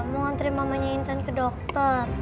mau ngantri mamanya intern ke dokter